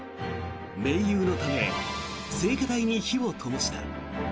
盟友のため聖火台に火をともした。